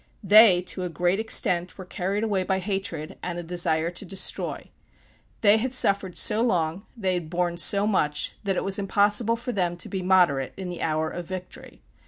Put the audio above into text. They, to a great extent, were carried away by hatred, and a desire to destroy. They had suffered so long, they had borne so much, that it was impossible for them to be moderate in the hour of victory.